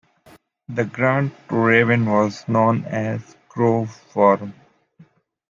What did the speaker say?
The grant to Raven was known as Grove Farm.